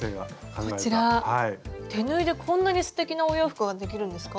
手縫いでこんなにすてきなお洋服ができるんですか？